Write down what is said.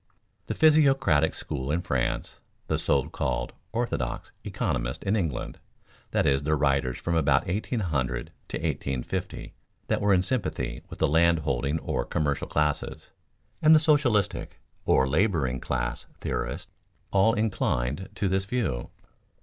The physiocratic school in France, the so called "orthodox" economists in England (that is, the writers from about 1800 to 1850 that were in sympathy with the landholding or commercial classes), and the socialistic or laboring class theorists, all inclined to this view.